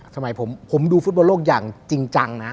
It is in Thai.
สมัยผมดูฟุตบอลโลกอย่างจริงจังนะ